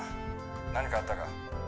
「何かあったか？」